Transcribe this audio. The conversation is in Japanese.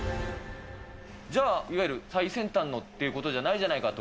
じゃあ、いわゆる最先端のということじゃないじゃないかと。